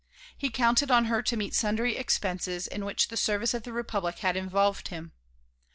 He counted on her to meet sundry expenses in which the service of the Republic had involved him.